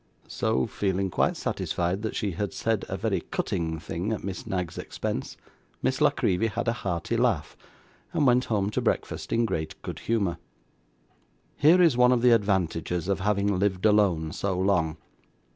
So, feeling quite satisfied that she had said a very cutting thing at Miss Knag's expense, Miss La Creevy had a hearty laugh, and went home to breakfast in great good humour. Here was one of the advantages of having lived alone so long!